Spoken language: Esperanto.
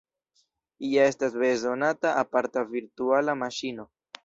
Ja estas bezonata aparta virtuala maŝino.